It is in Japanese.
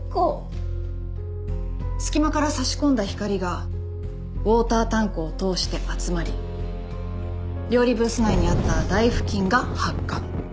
隙間から差し込んだ光がウォータータンクを通して集まり料理ブース内にあった台ふきんが発火。